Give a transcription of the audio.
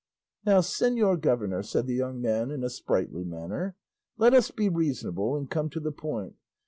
"Now, señor governor," said the young man in a sprightly manner, "let us be reasonable and come to the point.